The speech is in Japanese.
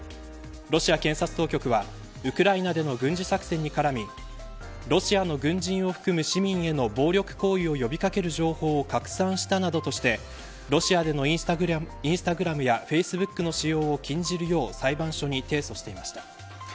ロシア検察当局はウクライナへの軍事作戦にからみロシアの軍人を含む市民への暴力行為を呼び掛ける情報を拡散したなどとしてロシアでのインスタグラムやフェイスブックの使用を禁じるよう裁判所に提訴していました。